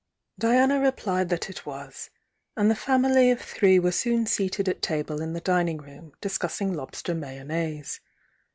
Diana replied that it was, and the family of three were soon seated at table in the dining room, dis cussing lobster mayonnaise.